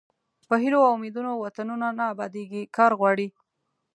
په هیلو او امیدونو وطنونه نه ابادیږي کار غواړي.